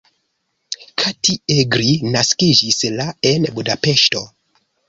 Kati Egri naskiĝis la en Budapeŝto.